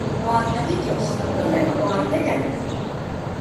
Vaata videost, millega paar tegeleb!